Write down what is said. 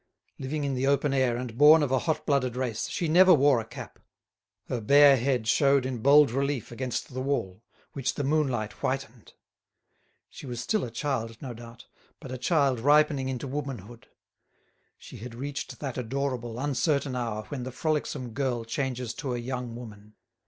Living in the open air and born of a hotblooded race, she never wore a cap. Her bare head showed in bold relief against the wall, which the moonlight whitened. She was still a child, no doubt, but a child ripening into womanhood. She had reached that adorable, uncertain hour when the frolicsome girl changes to a young woman.